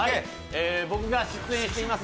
僕が出演しています